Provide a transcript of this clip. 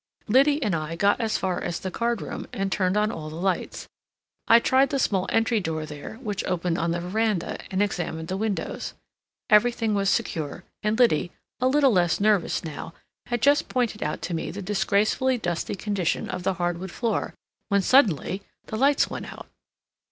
Liddy and I got as far as the card room and turned on all the lights. I tried the small entry door there, which opened on the veranda, and examined the windows. Everything was secure, and Liddy, a little less nervous now, had just pointed out to me the disgracefully dusty condition of the hard wood floor, when suddenly the lights went out.